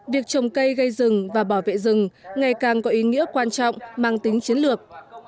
việc trồng cây gây rừng và bảo vệ rừng ngày càng có ý nghĩa quan trọng mang tính chiến lược